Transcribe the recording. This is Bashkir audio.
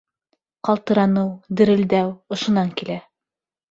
Ҡалтыраныу, дерелдәү ошонан килә.